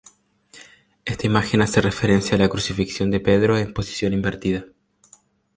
Esta imagen hace referencia a la crucifixión de Pedro en posición invertida.